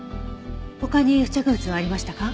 他に付着物はありましたか？